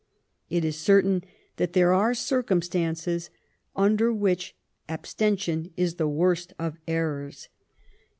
It is certain that there are circumstances under which abstention is the worst of errors.